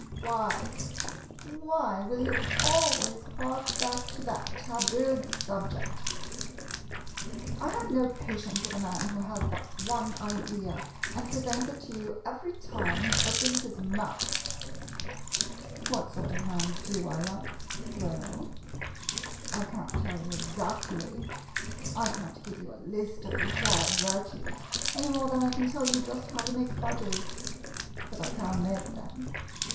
Why — why will you always hark back to that tabooed subject? [Crossly.] I have no patience with a man who has but one idea, and pre sents it to you every time he opens his mouth! What sort of man do I like? W e 1 1, I can't tell you exactly — I can't give you a list of required virtues, any more than I can tell you just how to make fudges — but I can make them.